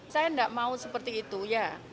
saya tidak mau seperti itu ya